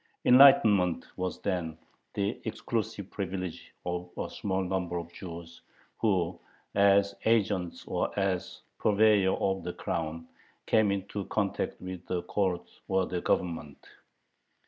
"Enlightenment" was then the exclusive privilege of a small number of Jews who, as agents or as purveyors of the Crown, came into contact with the Court or the Government.